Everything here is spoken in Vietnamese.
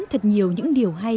thật nhiều những điều hay